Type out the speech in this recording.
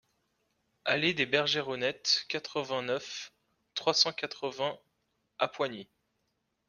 Allée des Bergeronettes, quatre-vingt-neuf, trois cent quatre-vingts Appoigny